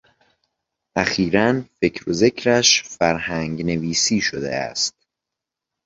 اخیرا فکر و ذکرش فرهنگ نویسی شده است.